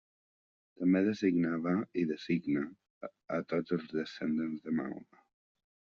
També designava i designa a tots els descendents de Mahoma.